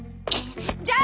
じゃあ！